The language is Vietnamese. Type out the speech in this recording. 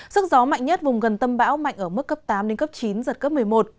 sức gió mạnh nhất vùng gần tâm bão mạnh ở mức cấp tám chín giật cấp một mươi một